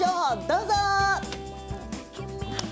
どうぞ。